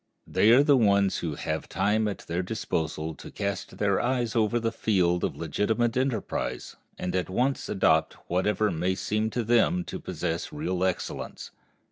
They are the ones who have time at their disposal to cast their eyes over the field of legitimate enterprise, and at once adopt whatever may seem to them to possess real excellence.